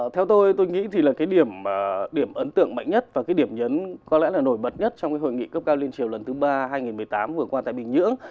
theo tôi tôi nghĩ là điểm ấn tượng mạnh nhất và điểm nhấn có lẽ là nổi bật nhất trong hội nghị cấp cao liên triều lần thứ ba hai nghìn một mươi tám vừa qua tại bình nhưỡng